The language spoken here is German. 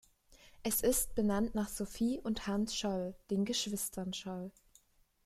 Es ist benannt nach Sophie und Hans Scholl, den Geschwistern Scholl.